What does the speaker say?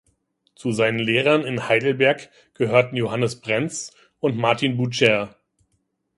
Zu seinen Lehrern in Heidelberg gehörten Johannes Brenz und Martin Bucer.